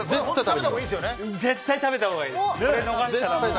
絶対食べたほうがいいです。